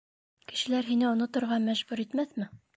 Кешеләр һине оноторға мәжбүр итмәҫме?